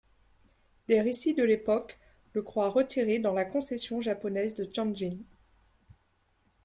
Des récits de l'époque le croient retiré dans la concession japonaise de Tianjin.